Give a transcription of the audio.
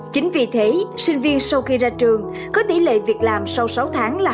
chính vì thế sinh viên sau khi ra trường có tỷ lệ việc làm sau sáu tháng là